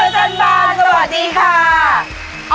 สวัสดีค่ะ